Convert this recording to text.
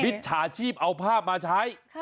จฉาชีพเอาภาพมาใช้